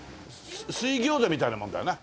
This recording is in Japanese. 水ギョーザみたいなもんだよな？